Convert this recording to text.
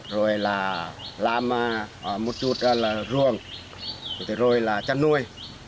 rồi là làm một chút ruồng rồi là chăn nuôi